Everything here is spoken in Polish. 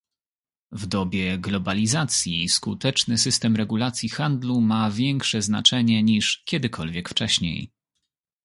W dobie globalizacji skuteczny system regulacji handlu ma większe znaczenie niż kiedykolwiek wcześniej